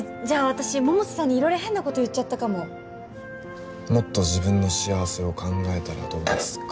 私百瀬さんに色々変なこと言っちゃったかも「もっと自分の幸せを考えたらどうですか？」